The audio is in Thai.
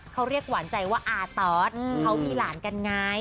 เขาเรียกหวานใจว่าอาตอสเขามีหลานกันไง